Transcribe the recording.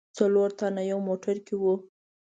څلور تنه یو موټر کې و.